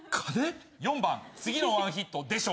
４番「次のワンヒットでしょうね」